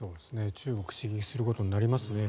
中国、刺激することになりますね。